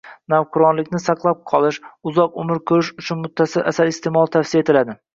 Navqironlikni saqlab qolish, uzoq umr ko‘rish uchun muttasil asal iste’moli tavsiya etiladi.